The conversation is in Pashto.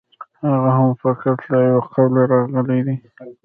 هغه هم فقط له یوه قوله راغلی دی.